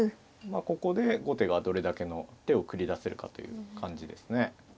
ここで後手がどれだけの手を繰り出せるかという感じですね。